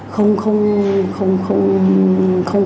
không không không không không